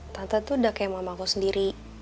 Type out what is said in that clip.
tante tuh udah kayak mamaku sendiri